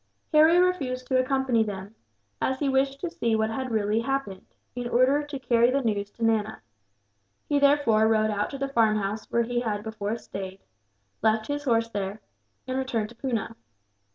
Harry refused to accompany them, as he wished to see what had really happened, in order to carry the news to Nana. He therefore rode out to the farmhouse where he had before stayed, left his horse there, and returned to Poona.